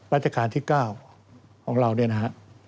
ราชการที่๙ของเราเนี่ยนะฮะ